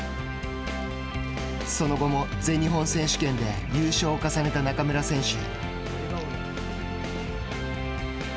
その後も全日本選手権で優勝を重ねた中村選手。